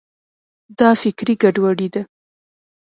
دا فکري ګډوډي ده.